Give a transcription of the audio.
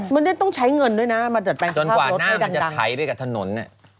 มันต้องใช้เงินด้วยนะมาเดินไปกับภาพรถให้ดัง